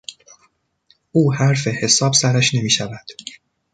او حرف حساب سرش نمیشود.